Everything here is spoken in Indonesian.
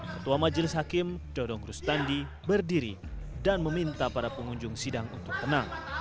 ketua majelis hakim dodong krustandi berdiri dan meminta para pengunjung sidang untuk tenang